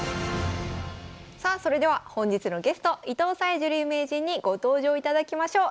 さあそれでは本日のゲスト伊藤沙恵女流名人にご登場いただきましょう。